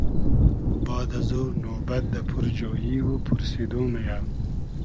باد ازو نوبئد دۂ پورجویی و پورسیدۉ مئیۂ